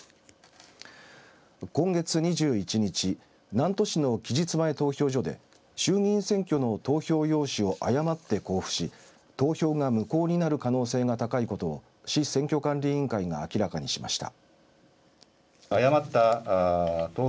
今月２１日南砺市の期日前投票所で衆議院選挙の投票用紙を誤って交付し投票が無効になる可能性が高いことを市選挙管理委員会が明らかにしました。